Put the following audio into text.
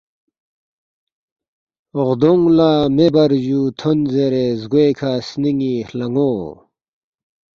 غدونگ لا مے بر جو تھون زیرے زگوئیکہ سنینی ہلانو